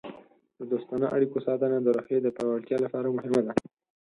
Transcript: د دوستانه اړیکو ساتنه د روحیې د پیاوړتیا لپاره مهمه ده.